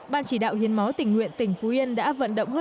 ban chỉ đạo hiến máu tỉnh nguyện tỉnh phú yên đã vận động hơn